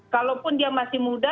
kalaupun dia masih muda